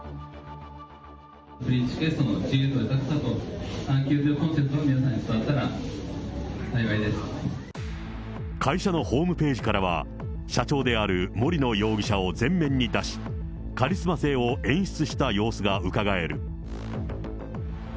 フリッチクエストの自由と豊かさと探求というコンセプトが皆会社のホームページからは、社長である森野容疑者を前面に出し、カリスマ性を演出した様子がうかがえる。